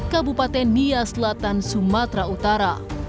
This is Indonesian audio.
kabupaten nia selatan sumatera utara